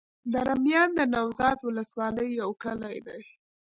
دره میان د نوزاد ولسوالي يو کلی دی.